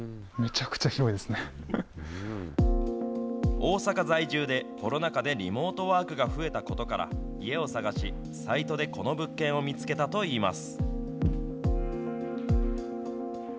大阪在住で、コロナ禍でリモートワークが増えたことから、家を探し、サイトでこの物件を見つけたといいます。